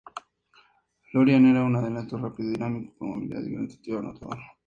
Florian, era un delantero rápido, dinámico, con movilidad y gran sentido anotador.